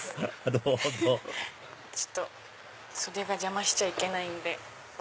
どうぞ袖が邪魔しちゃいけないんで。